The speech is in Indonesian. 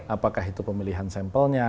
apakah itu pemilihan sampelnya